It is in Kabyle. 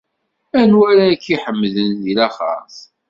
Anwa ara k-iḥemden di laxert?